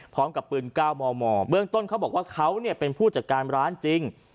พร้อมกับปืน๙มมเบื้องต้นเขาบอกว่าเขาเป็นผู้จัดการร้านจริง